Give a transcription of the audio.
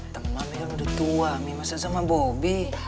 teman mami kan udah tua mi masa sama mobi